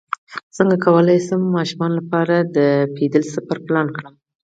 څنګه کولی شم د ماشومانو لپاره د پیدل سفر پلان کړم